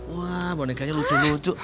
wah bonekanya lucu lucu